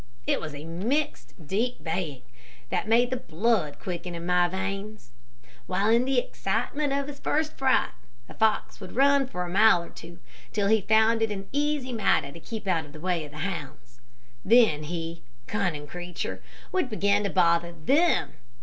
It was a mixed, deep baying, that made the blood quicken in my veins. While in the excitement of his first fright, the fox would run fast for a mile or two, till he found it an easy matter to keep out of the way of the hounds. Then he, cunning creature, would begin to bother them.